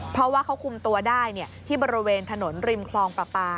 เพราะว่าเขาคุมตัวได้ที่บริเวณถนนริมคลองประปา